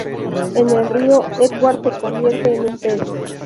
En el río, Edward se convierte en un pez.